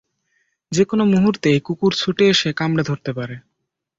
যে-কোনো মুহূর্তে এই কুকুর ছুটে এসে কামড়ে ধরতে পারে।